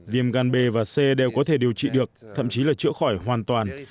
viêm gan b và c đều có thể điều trị được thậm chí là chữa khỏi hoàn toàn